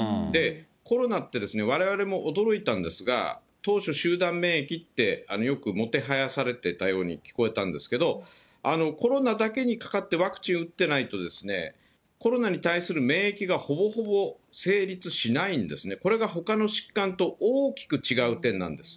コロナって、われわれも驚いたんですが、当初、集団免疫って、よくもてはやされてたように聞こえたんですけど、コロナだけにかかって、ワクチン打ってないと、コロナに対する免疫がほぼほぼ成立しないんですね、これがほかの疾患と大きく違う点なんです。